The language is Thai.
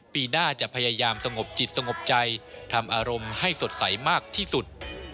ปีหน้าจะพยายามสงบจิตสงบใจทำอารมณ์ให้สดใสมากที่สุด